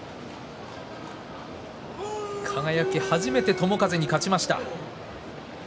輝、初めて友風に勝ちました。